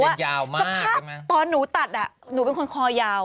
สภาพตอนหนูตัดหนูเป็นคนคอยาว